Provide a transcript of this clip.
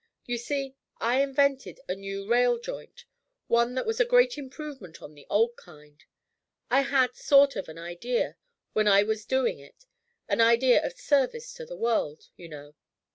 You see, I invented a new rail joint, one that was a great improvement on the old kind. I had sort of an idea, when I was doing it an idea of service to the world you know.